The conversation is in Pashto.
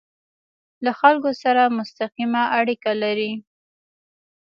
له خلکو سره مستقیمه اړیکه لري.